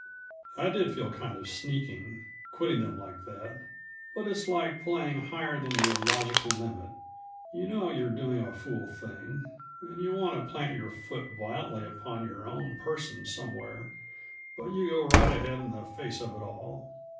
I did feel kind of sneaking, quitting them like that; but it's like playing higher than your logical limit: you know you're doing a fool thing, and you want to plant your foot violently upon your own person somewhere, but you go right ahead in the face of it all.